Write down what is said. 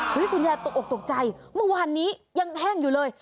คุณยายตกออกตกใจเมื่อวานนี้ยังแห้งอยู่เลย